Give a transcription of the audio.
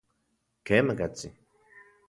Kemakatsin.